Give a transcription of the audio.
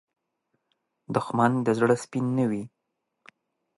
دښمن د زړه سپین نه وي